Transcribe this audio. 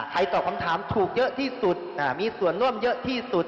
ตอบคำถามถูกเยอะที่สุดมีส่วนร่วมเยอะที่สุด